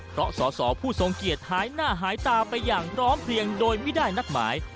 เพราะสอสอผู้ทรงเกียจหายหน้าหายตาไปอย่างพร้อมเพลียงโดยไม่ได้นัดหมาย